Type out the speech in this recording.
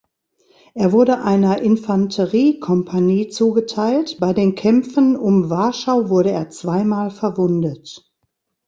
Er wurde einer Infanterie-Kompanie zugeteilt, bei den Kämpfen um Warschau wurde er zweimal verwundet.